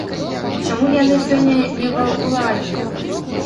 Чаму яны сёння не ва ўладзе?